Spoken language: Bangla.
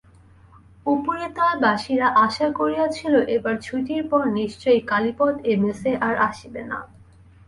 উপরিতলবাসীরা আশা করিয়াছিল এবার ছুটির পরে নিশ্চয়ই কালীপদ এ মেসে আর আসিবে না।